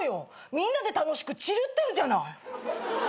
みんなで楽しくチルってるじゃない。